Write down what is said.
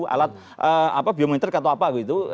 alat apa biometrik atau apa gitu